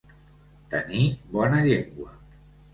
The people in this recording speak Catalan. Tenir bona llengua.